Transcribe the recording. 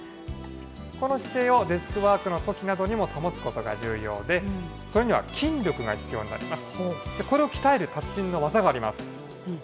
この姿勢をデスクワークのときなどにも保つことが重要で、それには筋力が必要になります。